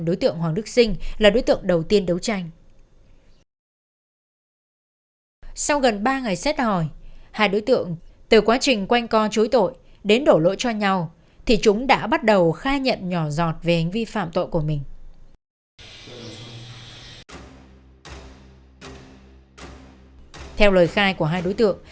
đối tượng hoàng đức sinh được ban truyền án lên kế hoạch thì lại nhận được cuộc điện thoại bắt chứng minh hành vi phạm tội của các đối tượng